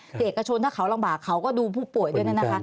คือเอกชนถ้าเขาลำบากเขาก็ดูผู้ป่วยด้วยนั่นนะคะ